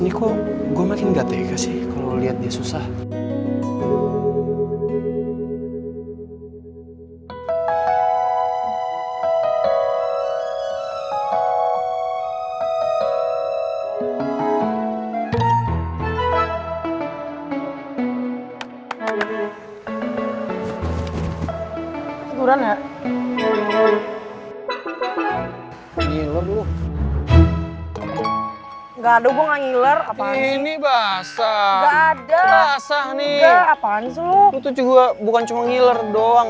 gado bunga ngiler apa ini basah ada rasa nih apaan tuh juga bukan cuma ngiler doang